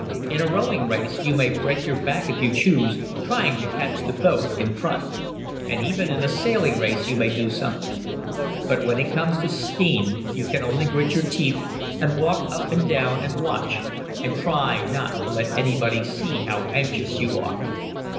In a rowing race you may break your back if you choose, trying to catch the boat in front; and even in a sailing race you may do something. But when it comes to steam you can only grit your teeth and walk up and down and watch and try not to let anybody see how anxious you are.